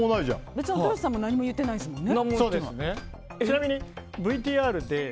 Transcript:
別に新子さんも何も言ってないですもんね。